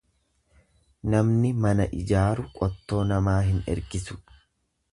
Namni mana ijaaru qottoo namaa hin ergisu.